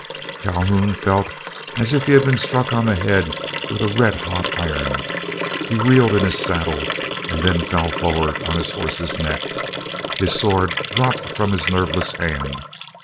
Calhoun felt as if he had been struck on the head with a red hot iron. He reeled in his saddle, and then fell forward on his horse's neck. His sword dropped from his nerveless hand.